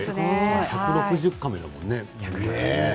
１６０カメだからね。